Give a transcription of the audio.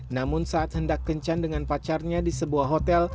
namun saat hendak kencan dengan pacarnya di sebuah hotel